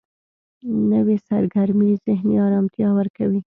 نوې سرګرمي ذهني آرامتیا ورکوي